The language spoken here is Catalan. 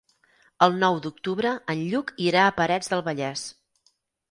El nou d'octubre en Lluc irà a Parets del Vallès.